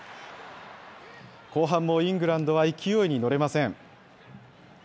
後半もイングランドは勢いに乗れません。